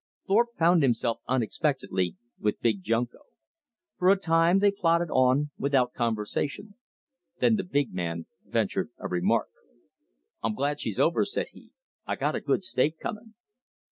Thorpe found himself unexpectedly with Big Junko. For a time they plodded on without conversation. Then the big man ventured a remark. "I'm glad she's over," said he. "I got a good stake comin'."